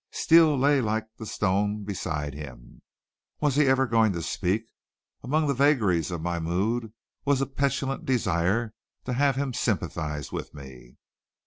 Steele lay like the stone beside him. Was he ever going to speak? Among the vagaries of my mood was a petulant desire to have him sympathize with me.